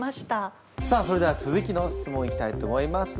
さあそれでは続きの質問いきたいと思います。